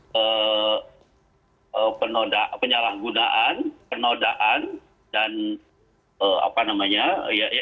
jadi penodaan penyalahgunaan penodaan dan apa namanya